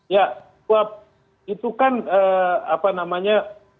ya itu kan apa namanya